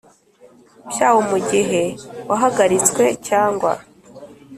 byawo mu gihe wahagaritswe cyangwa